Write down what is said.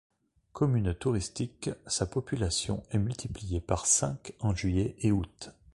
Commune touristique, sa population est multipliée par cinq en juillet et août.